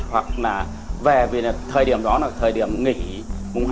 hoặc là về vì là thời điểm đó là thời điểm nghỉ mùng hai